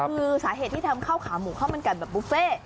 คือสาเหตุที่ทำข้าวขาหมูข้าวมันไก่แบบบุฟเฟ่